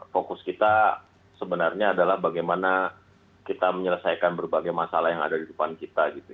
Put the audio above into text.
fokus kita sebenarnya adalah bagaimana kita menyelesaikan berbagai masalah yang ada di depan kita